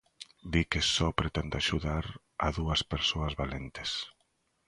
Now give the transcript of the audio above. Di que só pretende axudar a dúas persoas valentes.